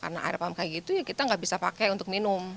karena air pump kayak gitu ya kita nggak bisa pakai untuk minum